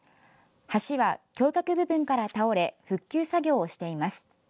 橋は橋脚部分から倒れ復旧作業をしています。